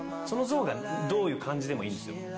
その像がどういう感じでもいいんですよ。